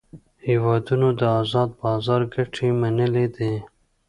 هیوادونو د آزاد بازار ګټې منلې دي